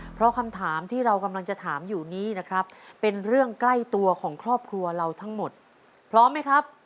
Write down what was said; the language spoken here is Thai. เพราะคำถามที่เรากำลังจะถามอยู่นี้นะครับเป็นเรื่องใกล้ตัวของครอบครัวเราทั้งหมดพร้อมไหมครับ